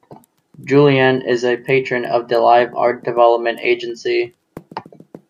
Julien is a patron of the Live Art Development Agency.